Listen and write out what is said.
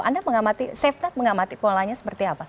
anda mengamati seftar mengamati polanya seperti apa